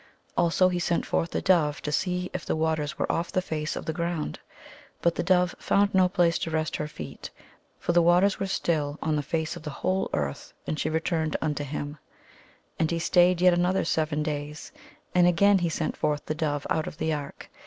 Also he sent forth a dove to see if the waters were off the face of the ground. But the dove found no place to rest her feet, for the waters were still on the face of the whole earth and she returned unto him. 296 IN THE NURSERY And he stayed yet another seven days; and again he sent forth the dove out of the ark.